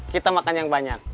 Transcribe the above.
kita makan yang banyak